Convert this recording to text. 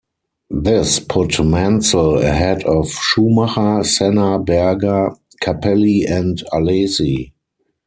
This put Mansell ahead of Schumacher, Senna, Berger, Capelli and Alesi.